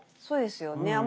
そうですよね。